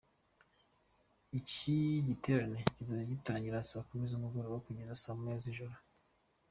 Iki giterane kizajya gitangira saa kumi z'umugoroba kugeza saa moya z’ijoro.